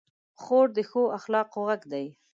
خور د ښو اخلاقو غږ ده.